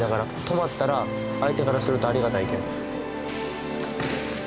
止まったら相手からするとありがたいけん。